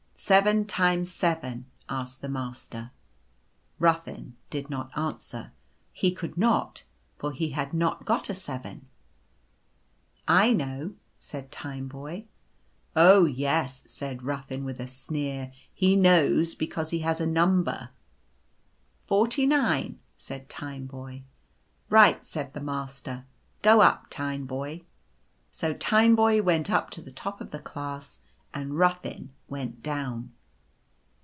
" Seven times seven ?" asked the Master. Ruffin did not answer. He could not, for he had not got a Seven. " I know" said Tineboy. " Oh, yes," said Ruffin, with a sneer ;" he knows because he has a Number." u Forty nine" said Tineboy. " Right," said the Master ; u go up, Tineboy." So Tineboy went up to the top of the class, and Ruffin went down.